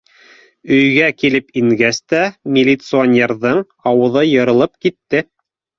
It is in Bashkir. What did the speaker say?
Өйгә килеп ингәс тә, милиционерҙың ауыҙы йырылып китте.